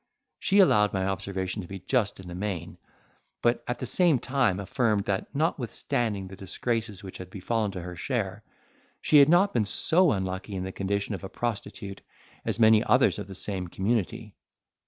She allowed my observation to be just in the main, but at the same time affirmed that notwithstanding the disgraces which had fallen to her share, she had not been so unlucky in the condition of a prostitute as many others of the same community.